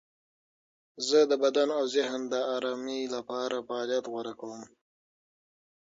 زه د بدن او ذهن د آرامۍ لپاره فعالیت غوره کوم.